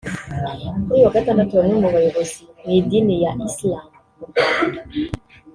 Kuri uyu wa Gatandatu bamwe mu bayobozi mu idini ya Islam mu Rwanda